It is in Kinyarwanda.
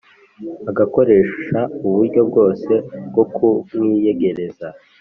agakoresha uburyo bwose bwo kumwiyegereza